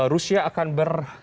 rusia akan berkompetisi di qatar